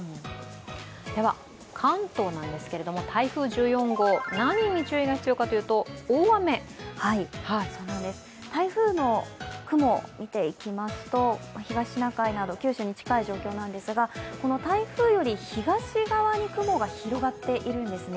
では関東なんですけれども台風１４号、何に注意が必要かというと台風の雲を見ていきますと、東シナ海など九州に近い状況なんですが、この台風より東側に雲が広がっているんですね。